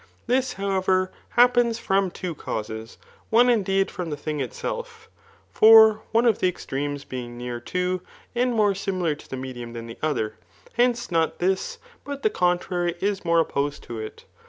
This, however, happens from two causes; one indeed from the thing itself; for one of the extremes being rjearer to, and more similar to the medium than the other, hence, not this, but the contrary, is more opposed to it.